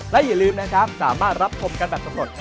และอย่าลืมนะครับสามารถรับชมกันแบบสำรวจ